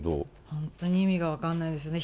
本当に意味が分かんないですね。